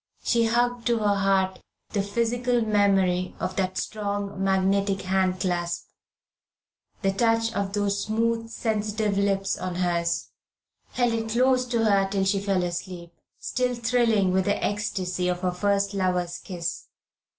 She hugged to her heart the physical memory of that strong magnetic hand clasp, the touch of those smooth sensitive lips on hers held it close to her till she fell asleep, still thrilling with the ecstasy of her first lover's kiss.